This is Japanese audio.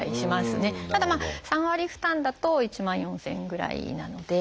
ただ３割負担だと１万４，０００円ぐらいなので。